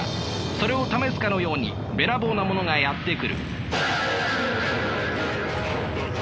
それを試すかのようにべらぼうなものがやって来る。